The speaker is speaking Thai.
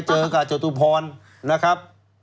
เจอกับจตุพรนะครับ